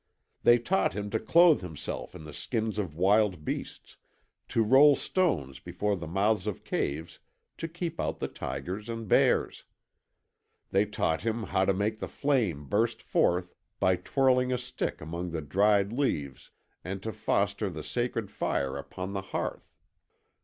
They taught him to clothe himself in the skins of wild beasts, to roll stones before the mouths of caves to keep out the tigers and bears. They taught him how to make the flame burst forth by twirling a stick among the dried leaves and to foster the sacred fire upon the hearth.